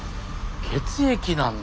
血液なんだ。